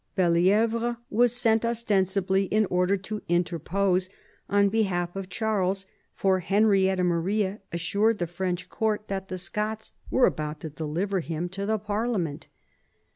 Belli^vre was sent ostensibly in order to interpose on behalf of Charles, for Henrietta Maria assured the French court that the Scots were about to deliver him to the parlia ment.